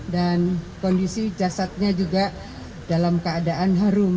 dan kondisi jasadnya juga dalam keadaan harum